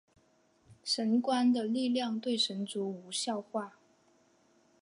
神官的力量对神族无效化。